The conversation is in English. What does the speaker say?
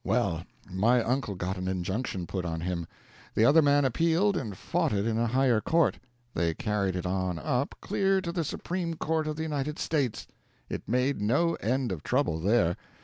Well, my uncle got an injunction put on him. The other man appealed and fought it in a higher court. They carried it on up, clear to the Supreme Court of the United States. It made no end of trouble there.